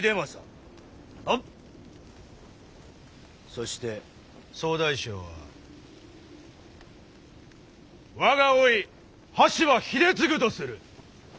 そして総大将は我が甥羽柴秀次とする！